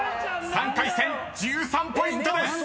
［３回戦１３ポイントです！］